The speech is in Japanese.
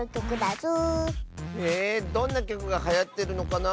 へえどんなきょくがはやってるのかなあ。